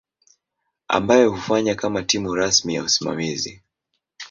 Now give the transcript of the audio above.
ambayo hufanya kama timu rasmi ya usimamizi.